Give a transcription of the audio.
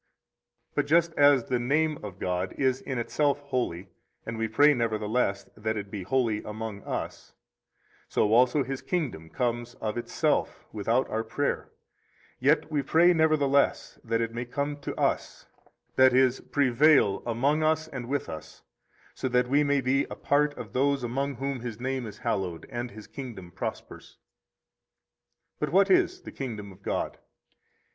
50 But just as the name of God is in itself holy, and we pray nevertheless that it be holy among us, so also His kingdom comes of itself, without our prayer, yet we pray nevertheless that it may come to us, that is, prevail among us and with us, so that we may be a part of those among whom His name is hallowed and His kingdom prospers. 51 But what is the kingdom of God?